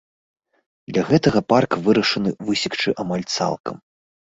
Для гэтага парк вырашана высекчы амаль цалкам.